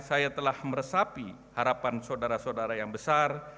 saya telah meresapi harapan saudara saudara yang besar